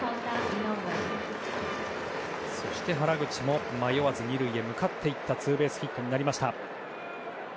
原口も迷わず２塁へ向かっていったツーベースヒットになりました。